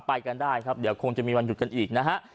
ไปกันได้ครับเดี๋ยวคงจะมีวันหยุดกันอีกนะฮะ